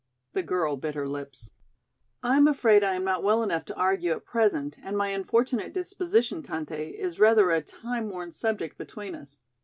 The girl bit her lips. "I am afraid I am not well enough to argue at present and my unfortunate disposition, Tante, is rather a time worn subject between us.